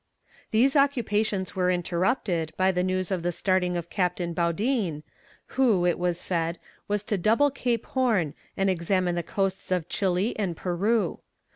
These occupations were interrupted by the news of the starting of Captain Baudin, who, it was said, was to double Cape Horn and examine the coasts of Chili and Peru.